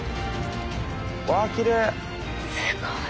うわきれい！